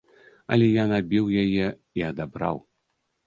Але я набіў яе і адабраў.